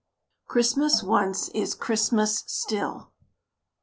CHRISTMAS ONCE IS CHRISTMAS STILL.